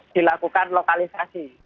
dilakukan lokalisasi presiden ayu